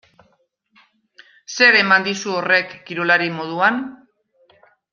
Zer eman dizu horrek kirolari moduan?